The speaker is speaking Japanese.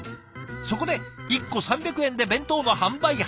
そこで１個３００円で弁当の販売始めました。